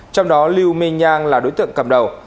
trong đó liu mingyang là đối tượng cầm đầu